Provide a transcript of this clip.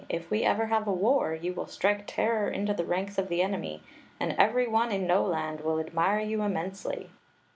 " If we ever have a war, you will strike terror into the ranks of the enemy, and every one in Noland will admire you immensely.